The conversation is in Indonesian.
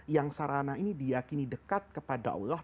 yang sarana ini diakini dekat kepada allah